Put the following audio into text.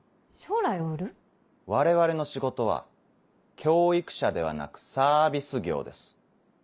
我々の仕事は教育者ではなくサービス業です。